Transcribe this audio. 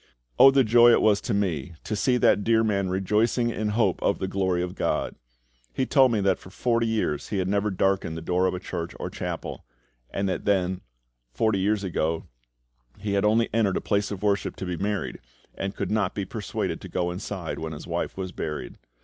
Oh the joy it was to me to see that dear man rejoicing in hope of the glory of GOD! He told me that for forty years he had never darkened the door of church or chapel, and that then forty years ago he had only entered a place of worship to be married, and could not be persuaded to go inside when his wife was buried.